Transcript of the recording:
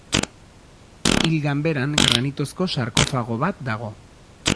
Hil ganberan granitozko sarkofago bat dago.